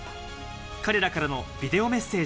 彼らからのビデオメッセージ。